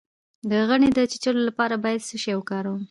د غڼې د چیچلو لپاره باید څه شی وکاروم؟